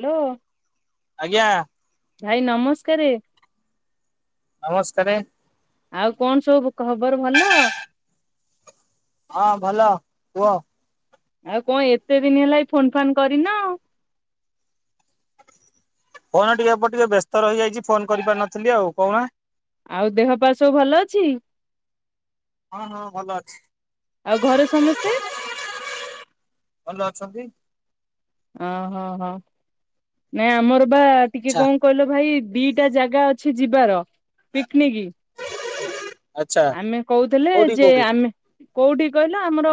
Hello ଆଜ୍ଞା। ଭାଇ ନମସ୍କାରେ। ନମସ୍କାରେ। ଆଉ କଣ ସବୁ ଖବର ଭଲ? ହଁ ଭଲ କୁହ। ଆଉ କଣ ଏତେ ଦିନ ହେଲା ଏ ଫୋନ ଫାନ୍ କରିନ? କ ଟିକେ ଏପଟ ଟିକେ ବ୍ୟସ୍ତ ରହିଯାଇଛି ଫୋନ କରିପାରି ନଥିଲି ଆଉ କଉନା। ଆଉ ଦେହ ପା ସବୁ ଭଲ ଅଛି? ହଁ ହଁ ଭଲ ଅଛି ଆଉ ଘରେ ସମସ୍ତେ? ଭଲ ଅଛନ୍ତି। ହଁ ହଁ ହଁ ନାଇ ଆମର ବା ଟିକେ ଆଛା କଣ କହିଲ ଭାଇ। ଦିଟା ଜାଗା ଅଛି ଯିବାର ପିକନିକି। [unintelligible] ଆମେ କହୁଥିଲେ କୋଉଠି ଯେ କୋଉଠି ଆମେ। କୋଉଠି କହିଲ ଆମର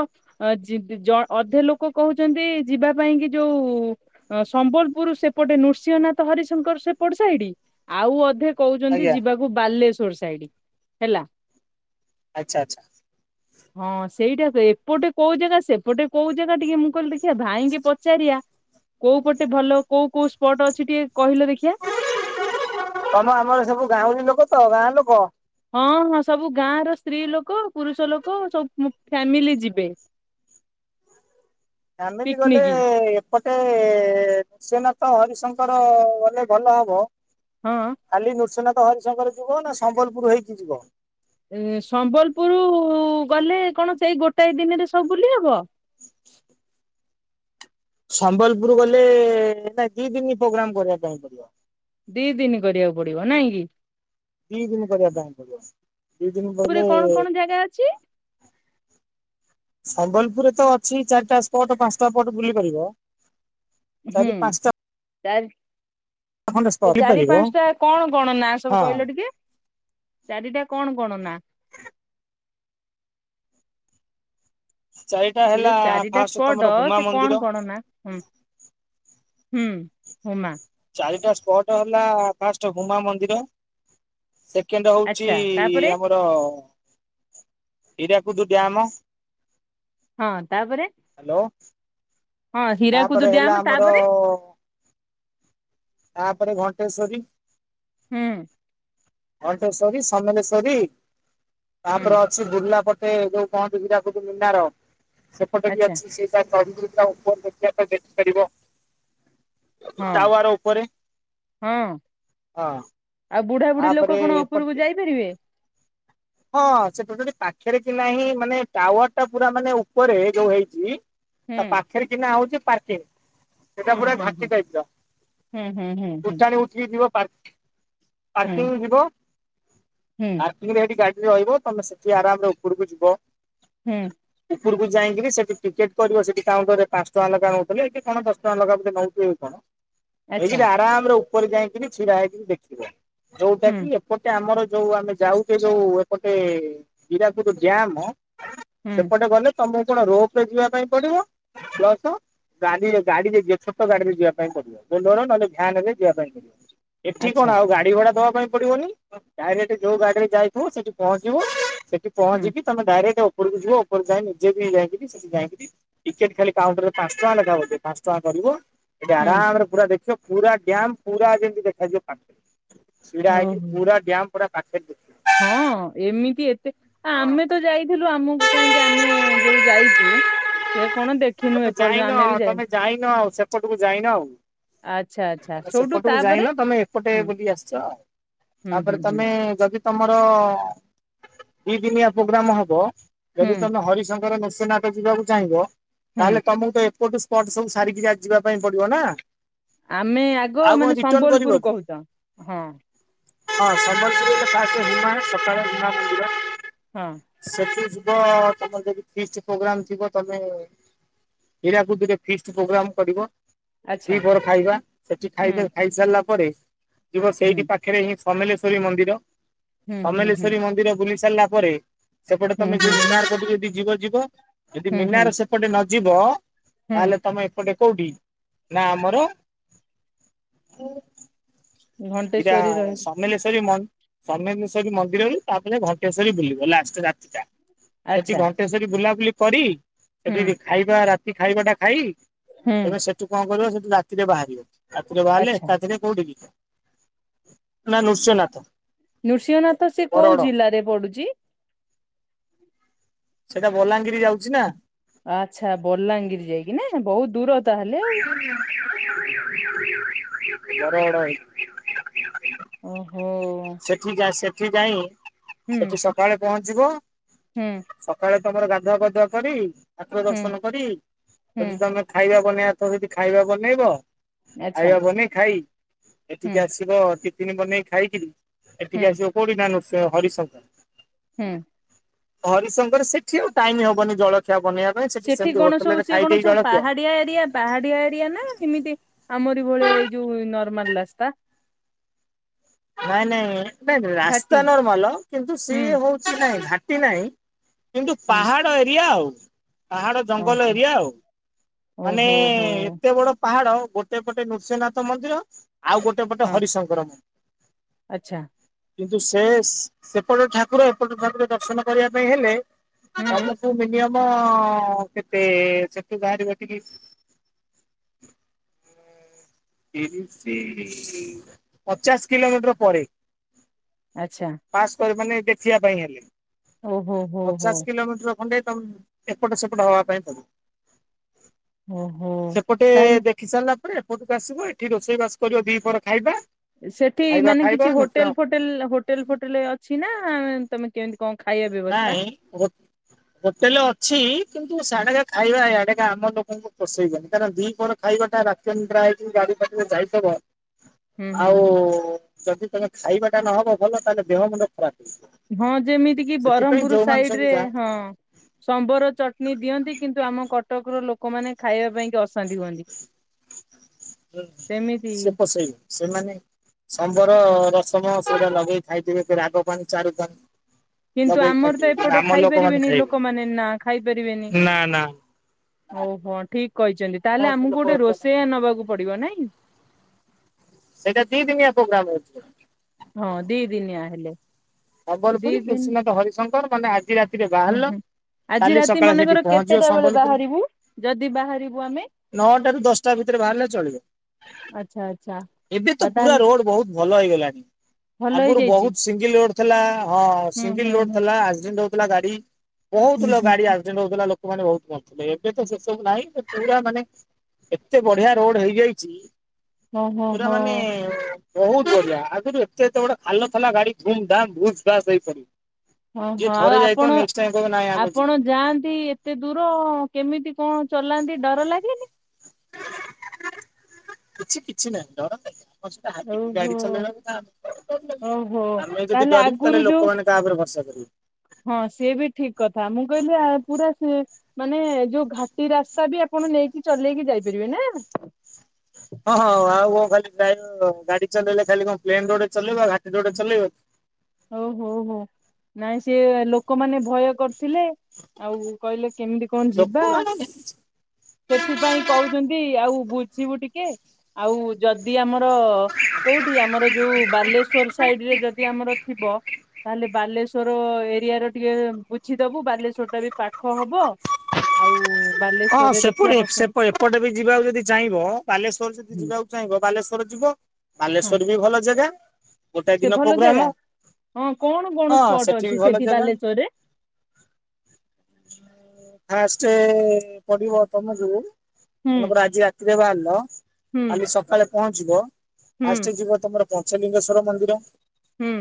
ଯି ଜ ଅଧେ ଲୋକ କହୁଛନ୍ତି ଯିବା ପାଇଁ କି ଯୋଉ। ସମ୍ବଲପୁର ସେପଟେ ନୃସିଂହନାଥ ହରିଶଙ୍କର ସେପଟେ ସାଇଡ ଆଉ ଅଧେ। କହୁଛନ୍ତି ଆଜ୍ଞା ଯିବାକୁ ବାଲେଶ୍ଵର ସାଇଡ୍ ହେଲା। ଆଛା ଆଚ୍ଛା। ହଁ ସେଇଟା ପେ ଏପଟେ କୋଉ ଜାଗା ସେପଟେ କୋଉ ଜାଗା ଟିକେ ମୁଁ କହିଲି ଦେଖିବା ଭାଇଙ୍କି ପଚାରିବା। [unintelligible] କୋଉ ପଟେ ଭଲ କୋଉ କୋଉ ସ୍ପଟ ଅଛି ଟିକେ। କହିଲ ଦେଖିଆ ତମ ଆମର ସବୁ ଗାଉଁଲି ଲୋକ ତ ଗାଁ ଲୋକ। ହଁ ହଁ ସବୁ ଗାଁ ର ସ୍ତ୍ରୀ ଲୋକ ପୁରୁଷ ଲୋକ ସବୁ କ ଫ୍ୟାମିଲି ଯିବେ। ଆମେ ବି ଗଲେ। ପିକନିକ ଗୋଟେ ସେନାଥ ହରିଶଙ୍କର ଗଲେ ଭଲ ହବ। ହଁ ଖାଲି ନୃସିଂନାଥ ହରିଶଙ୍କର ଯିବ ନା ସମ୍ବଲପୁର ହେଇକି ଯିବ? ଏ ସମ୍ବଲପୁର ଗଲେ କଣ ସେଇ ଗୋଟାଏ ଦିନରେ ସବୁ ବୁଲି ହବ? ସମ୍ବଲପୁର ଗଲେ ନାଇ ଦି ଦିନ ପ୍ରୋଗ୍ରାମ କରିବା ପାଇଁ ପଡିବ। ଦି ଦିନ କରିବାକୁ ପଡିବ ନାଇଁ କି? ଦି ଦିନ କରିବା ପାଇଁ ପଡିବ। ଦୁଇ ଦିନ ପୁରୀରେ ବଲେ। କଣ କଣ ଜାଗା ଅଛି ସମ୍ବଲପୁରରେ ତ ଅଛି ଚାରିଟା ସ୍ପଟ ପାଞ୍ଚଟା ସ୍ପଟ ବୁଲି ପାରିବ। ହୁଁ ଚାରି ପାଞ୍ଚଟା। ଚାରି ଖଣ୍ଡେ ସ୍ପଟ ସେ ବୁଲି ଚାରି ପାରିବ ପାଞ୍ଚଟା କଣ କଣ ନା ସବୁ ହଁ କହିଲ ଟିକେ। ଚାରିଟା କଣ କଣ ନା? [unintelligible] ଚାରିଟା ସେ ହେଲା ଯୋଉ ଚାରିଟା ଫାଷ୍ଟ ସ୍ପଟ ତମର ହୁମା ସେ ମନ୍ଦିର କଣ କଣ ନା ହୁଁ? ହୁଁ ହମା। ଚାରିଟା ସ୍ପଟ୍ ହେଲା ଫାଷ୍ଟ ହୁମା ମନ୍ଦିର। ସେକେଣ୍ଡ ହଉଛି ଆଚ୍ଛା ତାପରେ ଆମର ହୀରାକୁଦୁ ଡ୍ୟାମ। ହଁ ତାପରେ ହ୍ୟାଲୋ ହଁ ହୀରାକୁଦ ତାପରେ ହେଲା ଡ୍ୟାମ ଆମର ତାପରେ ତାପରେ ଘଣ୍ଟେଶ୍ଵରୀ। ହୁଁ। ଘଣ୍ଟେଶ୍ଵରୀ ସମଲେଶ୍ଵରୀ ହୁଁ ତାପରେ ଅଛି ବୁର୍ଲାପଟ ସେ ଯୋଉ କୁହୋନ୍ତି ହୀରାକୁଦ ମୀନାର ସେପଟେ ବି ଆଚ୍ଛା ଅଛି ସେଇଟା ତ ଦିଟା ଉପ ଦେଖ ଦେଖିପାରିବ। ହଁ ଟାୱାର ଉପରେ ହଁ ହଁ ଆଉ ବୁଢ଼ା ବୁଢ଼ୀ ଲୋକ ତାପରେ କଣ ଉପରକୁ ଏପଟେ ଯାଇପାରିବେ? ହଁ ସେପଟେ ପାଖରେ କି ନାହିଁ ମାନେ ଟାୱାର ଟା ପୁରା ମାନେ ଉପରେ ଯୋଉ ହେଇଛି। ହୁଁ ତା ପାଖରେ କିନା ହଉଛି ପର୍କେଙ୍କି। ହୁଁ ସେଟା ପୁରା ହୁଁ ଘାଟି ଟାଇପ୍ ର ହୁଁ ହୁଁ ହୁଁ ହୁଁ ଉଠାଣି ଉଠିକି ଯିବ ପାର୍କ ହୁଁ ହୁଁ ପାର୍କିଂ ଯିବ ହୁଁ ପାର୍କିଂରେଠି ଗାଡ଼ି ରହିବ ତମେ ସେଠି ଆରାମରେ ଉପରକୁ ଯିବ। ହୁଁ। ଉପରକୁ ଯାଇକିରି ସେଠି ଟିକେଟ୍ କରିବ ସେଠି କାଉଣ୍ଟରରେ ପାଞ୍ଚ ଟଙ୍କା ଲେଖି ନେଉଥିଲେ କଣ ଦଶ ଟଙ୍କା ଲେକି ବଧେ ନେଉଥିବେ କି କଣ। ଆଚ୍ଛା ହେଇି ଆରାମରେ ଉପରେ ଯାଇକରି ଛିଡା ହେଇକି ଦେଖିବ ଯୋଉଟା ହୁଁ କି ଏପଟେ ଆମର ଯୋଉ ଆମେ ଯାଉଛେ ଯୋଉ ଏପଟେ ହୀରାକୁଦ ଡ୍ୟାମ। ହୁଁ ସେପଟେ ଗଲେ ତମକୁ କଣ ରୋପ ରେ ଯିବା ପାଇଁ ପଢ଼ିବ ପ୍ଲସ ଗାଡ଼ିରେ ଗାଡ଼ିରେ ଯେ ଛୋଟ ଗାଡ଼ି ରେ ଯିବା ପାଇଁ ପଡିବ ବୋଲର ନହେଲେ ଭ୍ୟାନ ରେ ଯିବା ପାଇଁ ପଡିବ। ଏଠି ଆଚ୍ଛା କଣ ଆଉ ଗାଡି ଭଡା ଦବା ପାଇଁ ପଡିବନି ଡାଇରେକ୍ଟ ଯୋଉ ଗାଡିରେ ଯାଇଥିବ ସେଠି ପହଞ୍ଚିବୁ ସେଠି ହୁଁ ପହଞ୍ଚିକି ତମେ ଡାଇରେକ୍ଟ ଉପୋ ଉପରକୁ ଯ ଉପ ଯାଇ ନିଜେ ବି ଯାଇକଠି ଯାଇକିରି ଟିକେଟ ଖାଲି କାଉଣ୍ଟର ପାଞ୍ଚ ଟଙ୍କା ଲକା ବଧେ ପାଞ୍ଚ ଟଙ୍କା। ଉଠିବ ହୁଁ ଆରାମରେ ପୁର ଦେଖିବ ପୁରା ଡ୍ୟାମ ପୁରା ଯେମତି ଦେଖାଯିବ ପାଣି। ଛିଡ଼ା ହେଇକି ଓହୋ ପୁରା ଡ୍ୟାମ ପୁରା ପାଖରେ ଦେଖିବ। ହଁ ଏମିତି ଏତେ ଆମେ ତ ଯାଇଥିଲୁ। ଆମକୁ କାହିଁକି ଆମେ ଯୋଉ ଯାଇଛୁ। ସେ କଣ ଦେଖିନୁ ତମେ ଏପର୍ଯ୍ୟନ୍ତ ଯାଇନ ଆମେ ବି ଯାଇନୁ ତମେ ଯାଇନ ଆଉ ସେପଟକୁ ଯାଇନ ଆଉ। ଆଚ୍ଛା ଆଚ୍ଛା ସୋଉଠୁ ସେପଟକୁ ତାପରେ ଯାଇନ ତମେ ଏପଟେ ହୁଁ ବୁଲି ଆସିଛ ଆଉ। ହୁଁ ହୁଁ ତାପରେ ହୁଁ ତମେ ଯଦି ତମର ଦି ଦିନିଆ ପଗ୍ରାମ ହବ ହୁଁ ଯଦି ତମେ ହରିଶଙ୍କର ନୃସିଂହନାଥ ଯିବାକୁ ଚାହିଁବ ହୁଁ ତାହେଲେ ତମକୁ ତ ଏପଟୁ ସ୍ପଟ ସବୁ ସାରିକି ଯାଇ ଯିବା ପାଇଁ ପଡିବ ନା। ଆମେ ଆଗ ଆଉ କଣ ମାନେ ରିଟର୍ଣ କରିବ ସମ୍ବଲପୁର କି? କହୁଛ ହଁ। ହଁ ସମଲପୁରୀ ତ ତା ହିମା ସକାଳ ହିମା ମନ୍ଦିର ହଁ ସେଠି ଯିବ ତମର ଯଦି ଫିଷ୍ଟ୍ ପ୍ରୋଗ୍ରାମ ଥିବ ତମେ ହୀରାକୁଦରେ ଫିଷ୍ଟ ପ୍ରୋଗ୍ରାମ କରିବ। ଆଚ୍ଛା ଦି ପହର ଖାଇବା ସେଠି ହୁଁ ଖାଇବା ଖାଇସାରିଲା ପରେ ଯିବ ହୁଁ ସେଇଠି ପାଖରେ ହିଁ ସମଲେଶ୍ଵରୀ ମନ୍ଦିର ହୁଁ ହୁଁ ହୁଁ ସମଲେଶ୍ଵରୀ ମନ୍ଦିର ବୁଲି ସାରିଲା ପରେ ସେପଟୁ ହୁଁ ତମେ ଯଦି ହୁଁ ମିନାର ପଟେ ଯଦି ଯିବ ଯିବ ଯଦି ହୁଁ ହୁଁ ମିନାର ସେପଟେ ନ ଯିବ। ହୁଁ ତାହେଲେ ତମେ ଏପଟେ କୋଉଠି ନା ଆମର ହିରା ଘଣ୍ଟେଶ୍ଵରୀ ରହିଲେ ସମଲେଶ୍ୱରୀ ମନ୍ ସମଲେଶ୍ୱରି ମନ୍ଦିରରୁ ତାପରେ ଘଣ୍ଟେଶ୍ଵରୀ ବୁଲିବ ଲାଷ୍ଟ ରାତିଟା। ସେଠି ଆଚ୍ଛା ଘଣ୍ଟେଶ୍ଵରୀ ବୁଲାବୁଲି କରି ହୁଁ ସେଠି ଖାଇବା ରାତି ଖାଇବା ଟା ଖାଇ। ହୁଁ ତେବେ ସେଠୁ କଣ କରିବ ସେଠୁ ରାତିରେ ବାହାରିବ ରାତିରେ ବାହାରିଲେ ଆଚ୍ଛା ରାତିରେ କୋଉଠି କି ହ [unintelligible] ନୃସିଂହନାଥ ସେ କୋଉ ବରଗଡ। ଜିଲ୍ଲାରେ ପଡୁଛି? ସେଇଟା ବଲାଙ୍ଗିରି ଯାଉଛି ନା। ଆଚ୍ଛା ବଲାଙ୍ଗୀର ଯାଇକି ନା ବହୁତ ଦୂର। ତାହେଲେ ଆଉ [unintelligible] ଓ ସେଠି ଯା ସେଠି ଯାଇ ହୁଁ ସେଠି ସକାଳେ ପହଞ୍ଚିବ। ହୁଁ। ସକାଳେ ତମର ଗାଧୁଆ ପାଧୁଆ କରି ଠାକୁର ହୁଁ ଦର୍ଶନ କରି ହୁଁ ଯଦି ତମେ ଖାଇବା ବନେଇଆ ହ ଯଦି ଖାଇବା ବନେଇବ ଆଚ୍ଛା ଖାଇବା ବନେଇ ଖାଇ ହୁଁ ଏଠିକି ଆସିବ ତି ଇନି ବନେଇ ଖାଇକିରି ହୁଁ ଏଠିକି ଆସିବ କୋଉଠି ନା ନୃସିଂ ହରିଶ ହୁଁ। ହରିଶଙ୍କର ସେଠି ଆଉ ଟାଇମ ହବନି ଜଳ ସେଠି କଣ ସବୁ ସିଏ କଣ ସବୁ ଜଳଖିଆ ପାହାଡିଆ ଏରିଆ ପାହାଡିଆ ଏରିଆନା ଏମିତି ଆମରି ଭଳିଆ ଏ ଯଉ ନର୍ମାଲ୍ ରାସ୍ତା। ନାଇଁ ନାଇଁ ନାଇଁ ରାସ୍ତା ଘାଟି ନର୍ମାଲ କିନ୍ତୁ ସିଏ ହୁଁ ହଉଛି ନାଇଁ ଘାଟି ନାହିଁ। କିନ୍ତୁ ହୁଁ ପାହାଡ ଏରିଆ ଆଉ। ପାହାଡ ଜଙ୍ଗଲ ଓହୋ ଏରିଆ ଆଉ ମାନେ ଓହୋ ହୋ ଏତେ ବଡ ପାହାଡ। ଗୋଟେ ପଟେ ନୃସିିଂହନାଥ ମନ୍ଦିର ଆଉ ଗୋଟେ ପଟେ ହଁ ହରିଶଙ୍କରମ ଆଚ୍ଛା। କିନ୍ତୁ ସେ ସେପଟ ଠାକୁର ଏପଟ ଠାକୁର ଦର୍ଶନ କରିବା ପାଇଁ ହେଲେ ହୁଁ ତମକୁ ମିନିମମ୍ ତମ କେତେ ସେଠୁ ବାହାରିବ ଟିକି ତିରିଶି ପଚାଶ କିଲୋମିଟର ପରେ। ଆଚ୍ଛା ପାସ୍ କରି ମାନେ ଦେଖିବା ପାଇଁ ହେଲେ। ଓ ହୋ ହୋ ହୋ। ମୁଣ୍ଡେ ତମ ଏପଟ ସେପଟ ହବା ପାଇଁ ପଡ଼ିବ। ଓହୋ ସେପଟେ ତାହେଲେ ଦେଖିସାଇଲା ରେ ଏପଟକୁ ଆସିବ ଏଠି ରୋଷେଇ ବାସ କରିବ ଦି ପହର ଖାଇବା। ସେଠି ଖାଇବା ମାନେ ଖାଇବା କିଛି ନୃସିଂହ ହୋଟେଲ ଫୋଟେଲ ହୋଟେଲ ଫୋଟେଲ ଅଛି ନା ତମେ କେମିତି କଣ ଖାଇବା ବ୍ୟବସ୍ଥା ନାଇଁ ହୋଟ୍ ହୋଟେଲେ ଅଛି। କିନ୍ତୁ ସେଆଡେ ଖାଇବା ଇଆଡେ କା ଆମ ଲୋକଙ୍କୁ ପୋଷେଇବନି କାରଣ ଦି ପହର ଖାଇବାଟା ରାତି ଅନିଦ୍ରା ହେଇକି ଯା [unintelligible] ଯାଇଥିବ। ହୁଁ ହୁଁ ଆଉ ହୁଁ ଯଦି ତମେ ଖାଇବାଟା ନହବ ଭଲ ତାହେଲେ ଦେହ ମୁଣ୍ଡ ଖରାପ। ହଁ ଯେମିତି କିି ସେଥିପାଇଁ ବରମ୍ପୁର ଯୋଉମାନେ ସାଇଡ୍ ସବୁ ରେ ଯାଆନ୍ତି ହଁ। ସମ୍ବର ଚଟଣୀ ଦିଅନ୍ତି କିନ୍ତୁ ଆମ କଟକ ର ଲୋକ ଲୋକମାନେ ଖାଇବା ପାଇଁ କି ଅଶାନ୍ତି ହୁଅନ୍ତି। ହ ସେମିତି ସେ ପୋଷେଇବେ ସେମାନେ ସମ୍ବର ହୁଁ। ରସମ ସେଟା ଲଗେଇ ଖାଇଥିବେ ରାଗ ପାନି ଚାରୁ ପା କିନ୍ତୁ ଆମର ତ ଏପଟ ଖାଇ ପାରିବେନି ଖାଇବେନି। ଲୋକମାନେ ନା ଖାଇ ପାରିବେନି। ନା ନା। ଓହୋ ଠିକ କହିଛନ୍ତି ତାହେଲେ ଆମ ଆମକୁ ଲୋକ ଗୋଟେ ରୋଷେଇଆ ନବାକୁ ପଡିବ ନାଇଁ। ସେଇଟା ଦି ଦିନିଆ ପ୍ରୋଗ୍ରାମ ଅଛି। ହଁ ଦି ଦିନିଆ ହେଲେ ଦି ସମ୍ବଲପୁରୀ ଦିନ କୃଶିନାଥ ହରିଶଙ୍କର ମାନେ ଆଜି ରାତିରେ ହୁଁ ବାହାରିଲ। ହୁଁ ଆଜି କାଲି ରାତି ସକାଳେ ସେଠି ମନେକର ପହଞ୍ଚିବ କେତେଟା ବେଳେ ସମ୍ବଲପୁର ବାହାରିବୁ ଯଦି ବାହାରିବୁ ଆମେ ନଅଟା ରୁ ଦଶଟା ଭିତରେ ବାହାରିଲେ ଚଳିବ ଆଚ୍ଛା ଆଚ୍ଛା ଏବେ ତ ଆଉ ପୁରା ତାହେଲେ ରୋଡ ବହୁତ ଭଲ ହେଇଗଲାଣି ଭଲ ଆଗରୁ ହେଇଯାଇଛି ବହୁତ ସିଙ୍ଗଲ ରୋଡ ଥିଲା ହଁ ହୁଁ ସିଙ୍ଗଲ ହୁଁ ରୋଡ ହୁଁ ଥିଲା ଆକ୍ସିଡେନ୍ଟ୍ ଗାଡି ହୁଁ କହୁଥିଲା ଗାଡି ହୁଁ ଆକ୍ସିଡେଣ୍ଟ୍ ହଉଥିଲା। ମାନେ ବହୁତ ମରୁଥିଲେ ଏବେ ତ ସେ ସବୁ ନାହିଁ ପୁରା ମାନେ ଏତେ ବଢିଆ ରୋଡ ହେଇଯାଇଛି ଓହୋ ପୁରା ହୋ ମାନେ ବହୁତ ବଢିଆ ଆଗରୁ ଏତେ ଏତେ ବଡ଼ ଖାଲ ଥିଲା ଗାଡି ଦୁମ୍ ଦାମ୍ ଭୁସ୍ ଫାସ ହେଇ ପଡୁଥିଲା। ହଁ ହୋ ଆଉ ଆପଣ କହିବ ନାଇଁ ଆମେ ଯିବୁ। ଆପଣ ଯାଆନ୍ତି ଏତେ ଦୂର ଅ। କେମିତି କଣ ଚଲାନ୍ତି ଡର ଲାଗେନି। କିଛି କିଛି ନାହିଁ ଡର କାଇଁ? ହାତୀକି ଓହୋ ଗାଡି ଚଲେଇଲା [unintelligible] ଡର ଲାଗିବ। ଓହୋ ଆମେ ଯଦି ତାହେଲେ ଡିରିବୁ ତାହେଲେ ଆଗରୁ ଯୋଉ ଲୋକମାନୋନ କାହାରେ ଭର୍ସା ହଁ ସିଏ ବି ଠିକ୍‌ କଥା ମୁଁ କହିଲି ଆ ପୁରା ସେ ମାନେ ଯୋଉ ଘାଟି ରାସ୍ତା ବି ଆପଣ ନେଇକି ଚଲେଇକି ଯାଇପାରିବେ ନା। ହଁ ହଁ ଆଉ କଣ ଖାଲି ଡ୍ରାଇଭର ଗାଡି ଚଲେଇଲେ ଖାଲି କଣ ପ୍ଲେନ୍‌ ରୋଡ ଚଲେଇବା ଘାଟି ରୋଡ ଚଲେଇବ ଓ ହୋଉ ହୋଉ ନାଇଁ ସେ ଲୋକମାନେ ଭୟ କରିଥିଲେ ଆଉ କହିଲେ କେମିତି କଣ ଯିବା ଲୋକମାନେ ସେଥିପାଇଁ କହୁଛନ୍ତି ଆଉ ଆସିବୁ ଟିକେ ଆଉ ଯଦି ଆମର ର କୋଉଠି ଆମର ଯୋଉ ବାଲେଶ୍ଵର ସାଇଡ୍‌ ରେ ଯଦି ଆମର ଥିବ ତାହେଲେ ବାଲେଶ୍ଵର ଏରିଆ ର ଟିକେ ବୁଝିଦବୁ ବାଲେଶ୍ଵର ଟା ବି ପାଖ ହବ। ଆଉ ହଁ ବାଲେଶ୍ଵରରେ ଦେଖିବା ସେପଟେ ପଛରେ ଏପଟେ ବି ଯିବାକୁ ଯଦି ଚାହିଁବ ବାଲେଶ୍ଵର ଯଦି ହଁ ଯିବାକୁ ଚାହିଁବ ବାଲେଶ୍ଵର ଯିବ। ବାଲେଶ୍ଵର ବି ଭଲ ଜାଗା ଗୋଟା ସେ ଦିନ ଭଲ ପ୍ରୋଗ୍ରାମ। ଜାଗା। ହଁ କଣ କଣ ହଁ ସ୍ପଟ ବି ଅଛି ଭଲ ସେଠି ଜାଗା। ବାଲେଶ୍ଵରରେ? [inaudible] ଫାଷ୍ଟ ପଡିବ ତମ ଯୋଉ ହୁଁ ତମେକର ଆଜି ରାତିରେ ବାହାରିଲ ହୁଁ କାଲି ସକାଳେ ପହଞ୍ଚିବ ହୁଁ ଆଷ୍ଟ ଯିବ ତମର ପଞ୍ଚଲିଙ୍ଗେଶ୍ଵର ମନ୍ଦିର। ହୁଁ।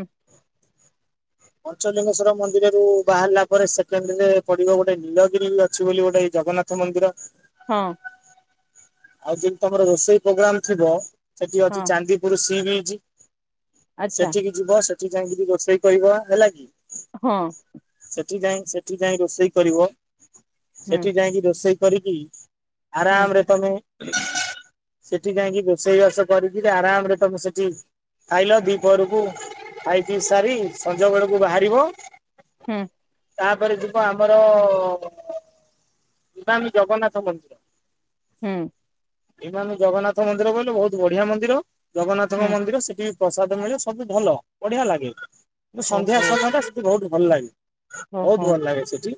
ପଞ୍ଚଲିଙ୍ଗେଶ୍ଵର ମନ୍ଦିର ରରୁ ବାହାରିଲା ପରେ ସେକେଣ୍ଡରେ ପଡିବ ଗୋଟେ ନୀଳଗିରି ଅଛି ବୋଲି ଗୋଟେ ଜଗନ୍ନାଥ ମନ୍ଦିର। ହଁ। ଆଉ ଯିମ୍ ତି ତମର ରୋଷେଇ ପ୍ରୋଗ୍ରାମ ଥିବ ସେଠି ଅଛି ହଁ ଚାନ୍ଦିପୁର ସି ବିଜ ଆଚ୍ଛା ସେଠିକି ଯିବ ସେଠିକି ଯାଇକି ରୋଷେଇ କରିବ ହେଲା କି? ହଁ। ସେଠି ଯାଇ ସେଠି ଯାଇ ରୋଷେଇ କରିବ ହୁଁ ସେଠି ଯାଇକି ରୋଷେଇ କରିକି ହୁଁ ଆରାମରେ ତମେ ସେଠି ଯାଇଁକି ଘୋଷେଇବାସ କରିକି ଆରାମ ରେ ତମେ ସେଠି ଖାଇଲ ଦି ପହରକୁ ଖାଇି ସାରି ସଞ୍ଜବଳକୁ ବାହାରିବ। ହୁଁ। ତାପରେ ଯିବ ଆମର ସ୍ୱାମୀ ଜଗନ୍ନାଥ ମନ୍ଦିର। ହୁଁ। ଏଇମାନେ ଜଗନ୍ନାଥ ମନ୍ଦିର କହିଲ ବହୁତ ବଢିଆ ମନ୍ଦିର ଜଗନ୍ନାଥଙ୍କ ହୁଁ ମନ୍ଦିର ସେଠି ପ୍ରସାଦ ମିଳଳେ ସବୁ ଭଲ ବଢିଆ ଲାଗେ କିନ୍ତୁ ସନ୍ଧ୍ୟା ଓହୋ ସନ୍ଧ୍ୟା ସେଠି ବହୁତ ଭଲ ଲାଗେ। ବହୁତ ଓହୋ ଭଲ ଲାଗେ ସେଠି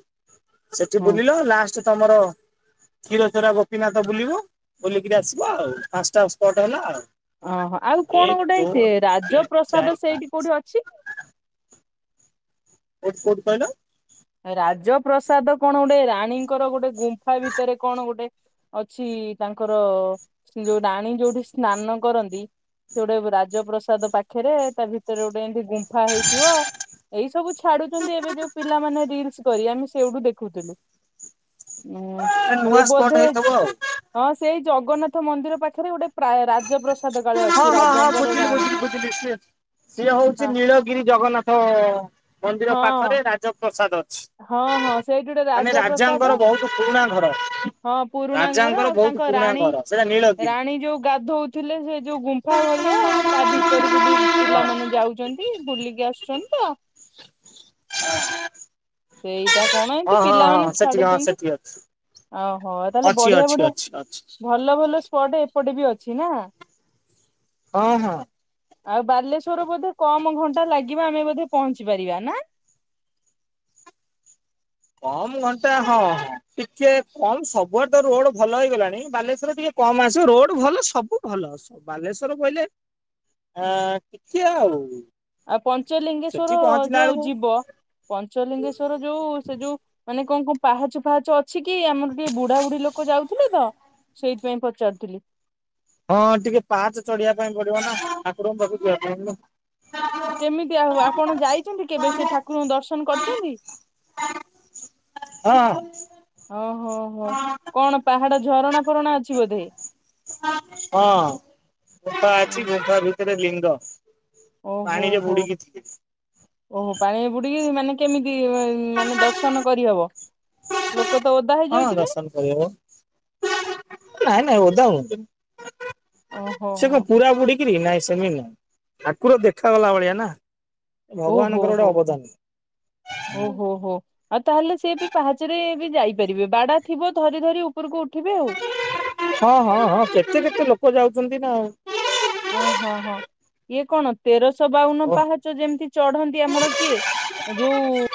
ସେଠି ହଁ ବୁଲିଲ ଲାଷ୍ଟ ତମର କ୍ଷୀର ଚୋରା ଗୋପୀନାଥ ବୁଲିବ ବୁଲିକିରି ଆସିବ ଆଉ ପାଞ୍ଚଟା ସ୍ପଟ ହେଲା ଆଉ। ଓହୋ ଆଉ କଣ ଏକ ଗୋଟେ ସେ ଦୁଇ ତିନି ଚାରି ରାଜପ୍ରସାଦ ସେଇଠି ପାଞ୍ଚ କୋଉଠି ଅଛି? ଏଇଠି ସେଇଠି କଣ? ରାଜପ୍ରସାଦ କଣ ଗୋଟେ ରାଣୀଙ୍କର ଗୋଟେ ଗୁମ୍ଫା ଭିତରେ କଣ ଗୋଟେ ଅଛି ତାଙ୍କର ଯୋଉ ଡାଣୀ ଯୋଉଠି ସ୍ନାନ କରନ୍ତି। ସେ ଗୋଟେ ରାଜପ୍ରସାଦ ପାଖରେ ତା ଭିତରେ ଗୋଟେ ଏମତି ଗୁମ୍ଫା ହେଇଥିବ। ଏଇ ସବୁ ଛାଡୁଛନ୍ତି ଏବେ ଯୋଉ ପିଲାମାନେ ରିଲସ କରି ଆମେ ସେଇଠୁ ଦେଖୁଥିଲୁ। ହୁଁ ନୂଆ ସେ ସ୍ପଟ ବୋଧେ ହେଇଥିବ ଆଉ। ହଁ ସେଇ ଜଗନ୍ନାଥ ମନ୍ଦିର ପାଖରେ ଗୋଟେ ରାଜ ପ୍ରସାଦ। ହଁ ହଁ ହଁ ବୁଝିଲି ବୁଝିଲି ବୁଝିଲି ସେ ସିଏ ହଉଛି ହଁ ନୀଳଗିରି ଜଗନ୍ନାଥ ମନ୍ଦିର ହଁ ପାଖରେ ରାଜପ୍ରସାଦ। ଅଛି। ହଁ ହଁ ସେଇଠି ଗୋଟେ ମାନେ ରାଜପ୍ରସାଦ। ରାଜାଙ୍କର ବହୁତ ପୁରୁଣା ଘର। ହଁ ପୁରୁଣା ଘର ରାଜାଙ୍କର ଆଉ ବହୁତ ତାଙ୍କ ପୁରୁଣା ରାଣୀ ଘର ସେଇଟା ନୀଳଗିରି ରାଣୀ ଯୋଉ ଗାଧଉ ଥିଲେ ସେ ଯୋଉ ଗୁମ୍ଫା ଭଳିଆ ତା ଭିତରକୁ ବି ପିଲାମାନେ ଯାଉଛନ୍ତି ବୁଲିକ ଆସୁଛନ୍ତି ତ [inaudible] ସେଇଟା କଣ ଏତି ହଁ ହଁ ହଁ ପିଲାମାନେ ସେଠି ହଁ ଛାଡୁଛନ୍ତି ସେଠି ଅଛି। ଓହୋ ତାହେଲେ ଅଛି ବଢିଆ ଅଛି ବଢିଆ ଅଛି ଅଛି ଭଲ ଭଲ ସ୍ପଟ ପଟେ ବି ଅଛି ନା? ହଁ ହଁ। ଆଉ ବାଲେଶ୍ଵରରୁ ବୋଧେ କମ ଘଣ୍ଟା ଲାଗିବ ଆମେ ବୋଧେ ପହଞ୍ଚି ପାରିବା ନା! କମ ଘଣ୍ଟା ହଁ ହଁ ଟିକେ କମ ସବୁଆଡେ ତ ରୋଡ ଭଲ ହେଇଗଲାଣି ବାଲେଶ୍ଵରରେ ଟିକେ ହଁ ମାସ ରୋଡ ଭଲ ସବୁ ଭଲ ବାଲେଶ୍ଵର କହିଲେ ଆ କିଛି ଆଉ ଆଉ ସେଠି ପଞ୍ଚଲିଙ୍ଗେଶଵର ପହଞ୍ଚିଲା ଯୋଉ ବେଳକୁ ଯିବ ପଞ୍ଚଲିଙ୍ଗେଶ୍ଵର ଯୋଉ ସେ ଯୋଉ ମାନ ମାନେ କଣ କଣ ପାହାଚ ଫାହାଚ ଅଛି କି ଆମର ଟିକେ ବୁଢା ବୁଢୀ ଲୋକ ଯାଉଥିଲେ ତ ସେଇଥିପାଇଁ ପଚାରୁଥିଲି ହଁ ଟିକେ ପାହାଚ ଚଢିବା ପାଇଁ ପଡିବ ନା ଠପରଙ୍କ ପାଖକୁ ଯିବା କେମିତି ଆ ଆପଣ ଯାଇଛନ୍ତି କେବେ ସେ ଠାକୁରଙ୍କୁ ଦର୍ଶନ କରିଛନ୍ତି? ହଁ। ଓ ହୋ କଣ ପାହାଡ ଝରଣା ଫରଣା ଅଛି ବୋଧେ? ହଁ ଗୁମ୍ଫା ଅଛି ଓହୋ ଗୁମ୍ଫା ଭିତରେ ଲିଙ୍ଗ ଓହୋ ପାଣିରେ ହୋ ବୁଡିକି ଥିବେ ଓହୋ ପାଣି ପୁଡି ଗ ମାନେ କେମିତି ମାନେ ଦର୍ଶନ କରିହବ? କତେ ଓଦା ହଁ ହେଇଯାଉଥିବେ ଦର୍ଶନ କରିହବ। ନାଇଁ ନାଇଁ ଓଦା ହ ଓହୋ ସେ କଣ ହୋ ହୋ ପୁରା ବୁଡିକରି ନାଇଁ ସେମିତି ନଁ ଠାକୁର ଦେଖାଗଲା ଭଳିଆ ନା ଓହୋ ଭଗବାନଙ୍କର ଗୋଟେ ହୋ ହୋ ଅବଦାନ ଓହୋ ହୋ ଆଉ ତାହେଲେ ସ ବି ପାହାଚରେ ଯାଇପାରିବେ ବାଡା ଥିବ ଧରି ଧରି ଉପରକୁ ଉଠିବେ ଆଉ। ହଁ ହଁ ହଁ କେତେ କେତେ ଲୋକ ଯାଉଛନ୍ତି ନା? ଓହଁ ହଁ ଇଏ କଣ ତେରଶହ ବାଉନ ଓ ପାହାଚ ଯେମିତି ଚଢନ୍ତି ଆମର କିଏ ଯୋଉ